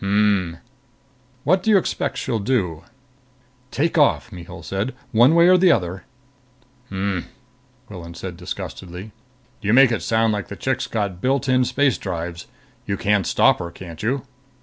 "Hm.... What do you expect she'll do?" "Take off," Mihul said. "One way or the other." "Ungh," Quillan said disgustedly. "You make it sound like the chick's got built in space drives. You can stop her, can't you?"